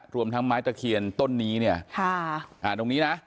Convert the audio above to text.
รวมทั้งไม้ตะเคียนต้นนี้เนี่ยตรงนี้นะ